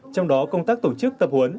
trong đó công tác tổ chức tập huấn